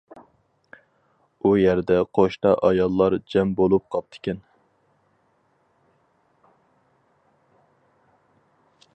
ئۇ يەردە قوشنا ئاياللار جەم بولۇپ قاپتىكەن.